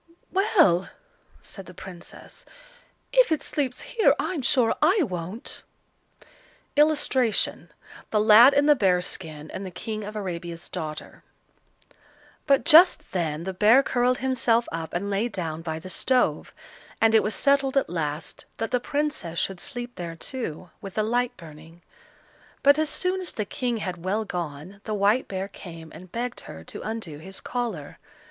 "Well!" said the Princess, "if it sleeps here, I'm sure I won't." [Illustration: The Lad in the Bear's skin, and the King of Arabia's daughter.] But just then the bear curled himself up and lay down by the stove; and it was settled at last that the Princess should sleep there too, with a light burning. But as soon as the King had well gone, the white bear came and begged her to undo his collar.